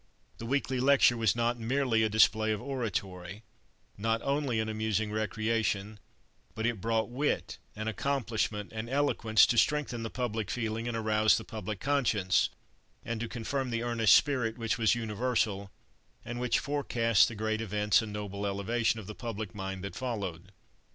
The weekly lecture was not merely a display of oratory, not only an amusing recreation, but it brought wit and accomplishment and eloquence to strengthen the public feeling and arouse the public conscience, and to confirm the earnest spirit which was universal, and which forecast the great events and the noble elevation of the public mind that followed.